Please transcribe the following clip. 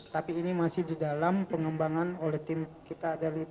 tapi ini masih di dalam pengembangan oleh tim kita